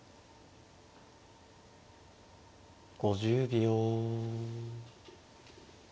５０秒。